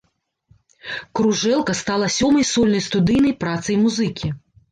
Кружэлка стала сёмай сольнай студыйнай працай музыкі.